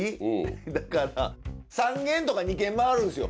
だから３軒とか２軒回るんですよ。